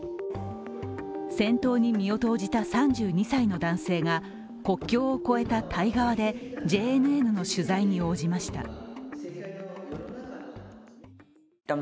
戦闘に身を投じた３２歳の男性が国境を越えたタイ側でＪＮＮの取材に応じました。